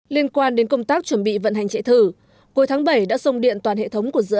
liên quan đến công tác chuẩn bị vận hành chạy thử cuối tháng bảy đã xông điện toàn hệ thống của dự án